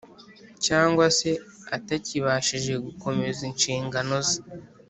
cyangwa se atakibashije gukomeza inshingano ze.